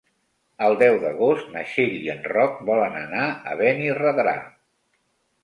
El deu d'agost na Txell i en Roc volen anar a Benirredrà.